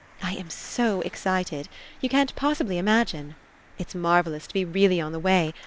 I am so excited. You can't possibly imagine ! It's marvellous to be really on the way!